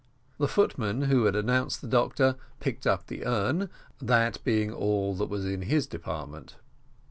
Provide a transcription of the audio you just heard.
The footman, who had announced the doctor, picked up the urn, that being all that was in his department.